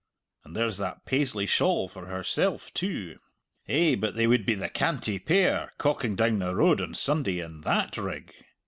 And, there's that Paisley shawl for herself, too; eh, but they would be the canty pair, cocking down the road on Sunday in that rig!